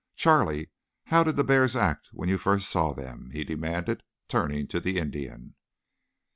Charlie, how did the bears act when you first saw them?" he demanded, turning to the Indian.